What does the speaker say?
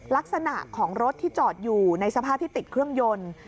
ลักษณะของรถที่จอดอยู่ในสภาพที่ติดเครื่องยนต์